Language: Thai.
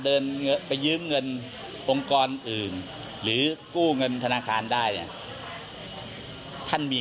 เดินไปยืมเงินองค์กรอื่นหรือกู้เงินธนาคารได้เนี่ยท่านมี